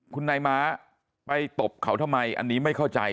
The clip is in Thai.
คุณนายม้าไปตบเขาทำไมอันนี้ไม่เข้าใจ